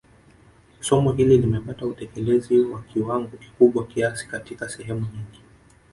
Somo hili limepata utekelezi wa kiwango kikubwa kiasi katika sehemu nyingi